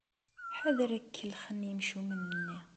Ḥader ad k-kellxen yimcumen-nni!